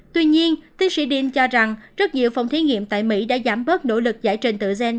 tuy nhiên tiến sĩ din cho rằng rất nhiều phòng thí nghiệm tại mỹ đã giảm bớt nỗ lực giải trình tự gen